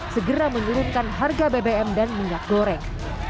segera menurunkan harga bbm dan minyak goreng